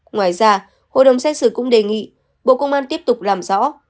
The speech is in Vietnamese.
ngoài ra hội đồng xét xử cũng đề nghị bộ công an tiếp tục làm rõ